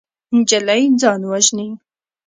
نجلۍ ځان وژني.